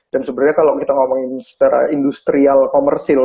dan sebenarnya kalau kita ngomongin secara industrial komersil